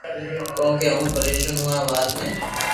ڪون ڪي ھون پريݾون ھون آ وات ۾